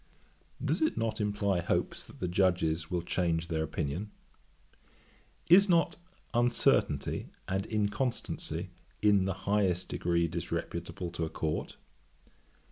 Does it not imply hopes that the Judges will change their opinion? Is not uncertainty and inconstancy in the highest degree disreputable to a Court?